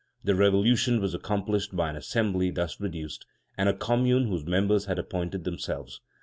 The Revolution was accomplished by an Assembly thus reduced, and a Commune whose members had appointed themselves.